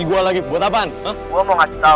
gue lagi di daerah kc mona nih